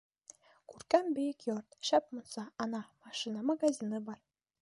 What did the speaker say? Күркәм бейек йорт, шәп мунса, ана, машина, магазины бар...